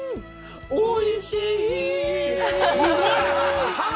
おいしいー